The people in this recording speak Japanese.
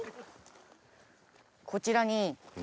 こちらに。